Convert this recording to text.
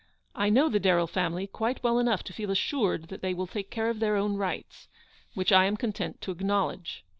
I know the Darrell family quite well enough to feel assured that they will take care of their own rights, which I am content to acknowledge.